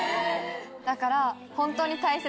だから。